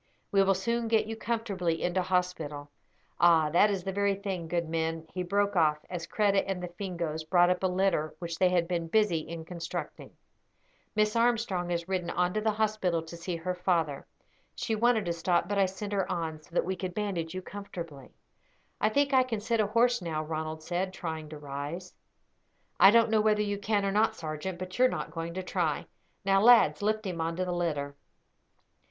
We will soon get you comfortably into hospital. Ah, that is the very thing; good men," he broke off, as Kreta and the Fingoes brought up a litter which they had been busy in constructing. "Miss Armstrong has ridden on to the hospital to see her father. She wanted to stop, but I sent her on, so that we could bandage you comfortably." "I think I can sit a horse now," Ronald said, trying to rise. "I don't know whether you can or not, sergeant; but you are not going to try. Now, lads, lift him on to the litter."